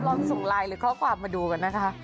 ลองส่งไลน์หรือข้อความมาดูกันนะคะ